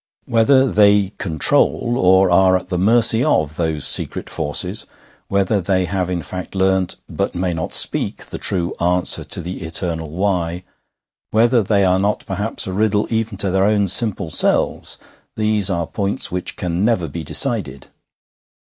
Whether they control, or are at the mercy of, those secret forces; whether they have in fact learnt, but may not speak, the true answer to the eternal Why; whether they are not perhaps a riddle even to their own simple selves: these are points which can never be decided.